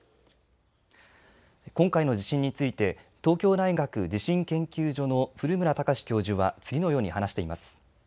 今回の地震について、東京大学地震研究所の古村孝志教授は、次のように話しています。